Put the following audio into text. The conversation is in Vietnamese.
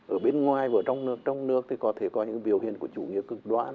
ở bên ngoài ở trong nước trong nước thì có thể có những biểu hiện của chủ nghĩa cực đoan